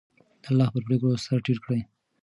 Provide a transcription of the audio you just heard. د الله په پرېکړو سر ټیټ کړئ.